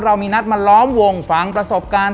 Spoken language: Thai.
เรามีนัดมาล้อมวงฝังประสบการณ์